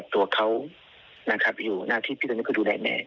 ตัวเขาอยู่หน้าที่พี่ตอนนี้ก็ดูแลแม่